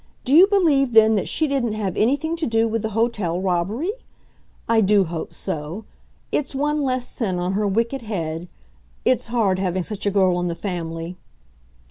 Do you believe then that she didn't have anything to do with the hotel robbery? I do hope so. It's one less sin on her wicked head. It's hard, having such a girl in the family!"